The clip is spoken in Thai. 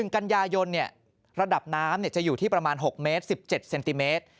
๑กันยายนระดับน้ำจะอยู่ที่ประมาณ๖เมตร๑๗เซนติเมตร